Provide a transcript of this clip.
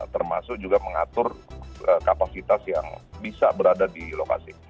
termasuk juga mengatur kapasitas yang bisa berada di lokasi